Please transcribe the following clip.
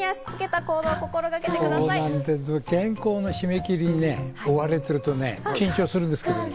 原稿の締め切りにね、追われてるとね、緊張するんですけど。